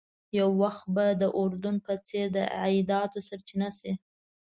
یو وخت به د اردن په څېر د عایداتو سرچینه شي.